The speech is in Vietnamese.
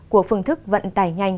của phương thức vận tải nhanh